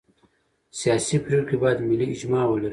سیاسي پرېکړې باید ملي اجماع ولري